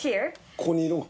ここにいるのか？